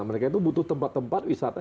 mereka itu butuh tempat tempat wisata